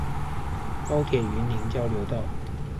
高鐵雲林交流道